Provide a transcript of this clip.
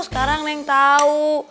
sekarang neng tahu